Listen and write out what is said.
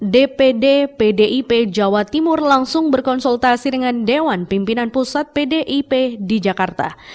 dpd pdip jawa timur langsung berkonsultasi dengan dewan pimpinan pusat pdip di jakarta